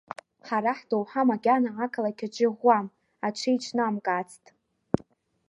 Ҳара ҳдоуҳа макьана ақалақь аҿы иӷәӷәам, аҽеиҿнамкаацт.